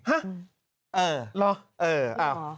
ฮะเออหรอไม่หรอเอออ่าว